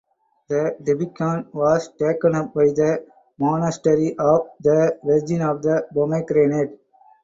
The "typikon" was taken up by the monastery of the Virgin of the Pomegranate.